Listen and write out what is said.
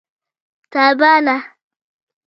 تابانه